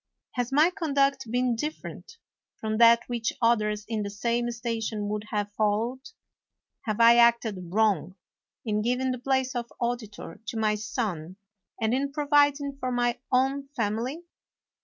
Has my conduct been different from that which others in the same station would have followed? Have I acted wrong in giving the place of auditor to my son and in providing for my own family